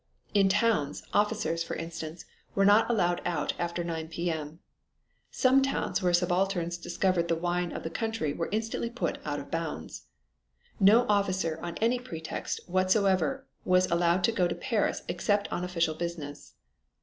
In towns, officers, for instance, were not allowed out after 9 P. M. Some towns where subalterns discovered the wine of the country were instantly put "out of bounds." No officer, on any pretext whatsoever was allowed to go to Paris except on official business.